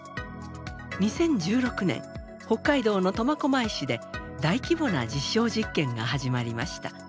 ２０１６年北海道の苫小牧市で大規模な実証実験が始まりました。